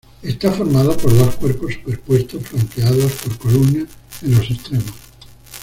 Está formado por dos cuerpos superpuestos, flanqueados por columnas en los extremos.